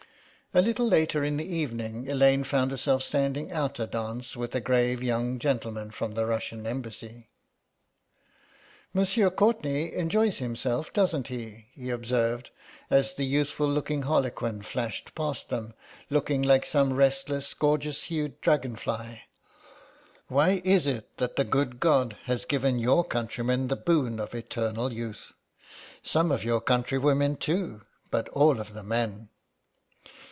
A little later in the evening Elaine found herself standing out a dance with a grave young gentleman from the Russian Embassy. "Monsieur Courtenay enjoys himself, doesn't he?" he observed, as the youthful looking harlequin flashed past them, looking like some restless gorgeous hued dragonfly; "why is it that the good God has given your countrymen the boon of eternal youth? Some of your countrywomen, too, but all of the men."